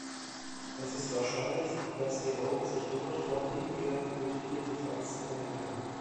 Es ist wahrscheinlich, dass die Raupen sich dort von in Gärten kultivierten Pflanzen ernähren.